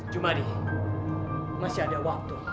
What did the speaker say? jumadi masih ada waktu